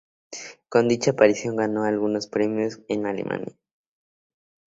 Con dicha aparición, ganó algunos premios en Alemania.